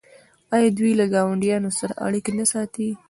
آیا دوی له ګاونډیانو سره اړیکې نه ساتي؟